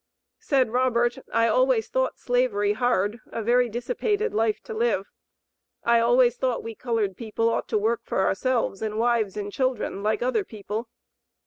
Said Robert: "I always thought slavery hard, a very dissipated life to live. I always thought we colored people ought to work for ourselves and wives and children like other people."